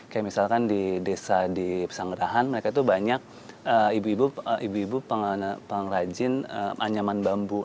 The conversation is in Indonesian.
kayak misalkan di desa di pesanggerahan mereka itu banyak ibu ibu pengrajin anyaman bambu